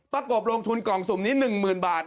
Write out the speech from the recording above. ประกบลงทุนกล่องสุมนี้๑หมื่นบาท